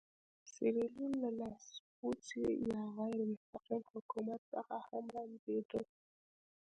سیریلیون له لاسپوڅي یا غیر مستقیم حکومت څخه هم رنځېده.